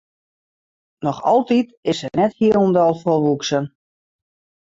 Noch altyd is se net hielendal folwoeksen.